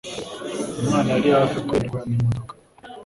Umwana yari hafi kurengerwa n'imodoka